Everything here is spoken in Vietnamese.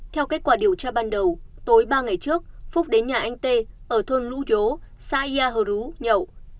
theo kết quả điều tra ban đầu tối ba ngày trước phúc đến nhà anh tê ở thôn lũ dố xa yia hờ rú nhậu